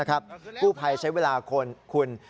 กู้ภัยใช้เวลาคนคุณ